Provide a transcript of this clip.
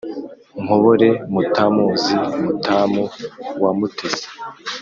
nkobore mutamuzi mutamu wa mutesi.